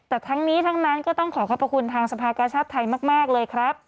แต่ทั้งนี้ทั้งนั้นก็ต้องขอขอบพระคุณทางสภากาชาติไทยมากเลยครับ